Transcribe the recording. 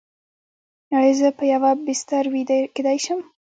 ایا زه په یوه بستر ویده کیدی شم؟